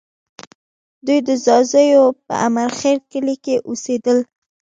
دوی د ځاځیو په امیرخېل کلي کې اوسېدل